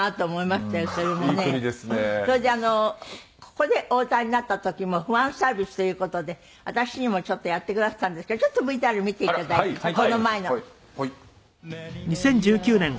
それであのここでお歌いになった時もファンサービスという事で私にもちょっとやってくだすったんですけどちょっとＶＴＲ見ていただいてこの前の。